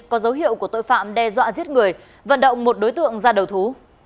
có dấu hiệu của tội phạm đe dọa giết người vận động một đối tượng ra đầu thú